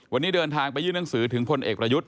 วันนี้เดินทางไปยื่นหนังสือถึงพลเอกประยุทธ์